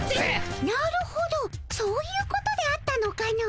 なるほどそういうことであったのかの。